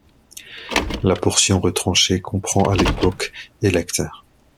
La portion retranchée comprend à l'époque électeurs.